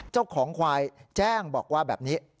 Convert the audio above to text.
เจ้าของควายแจ้งบอกว่าแบบนี้